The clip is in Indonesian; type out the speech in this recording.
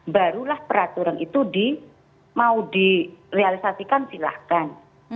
barulah peraturan itu mau direalisasikan silahkan